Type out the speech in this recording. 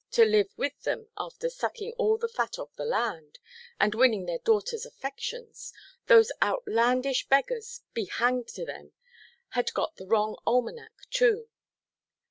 to live with them after sucking all the fat of the land, and winning their daughters' affections—those outlandish beggars—be hanged to them—had got the wrong almanac too.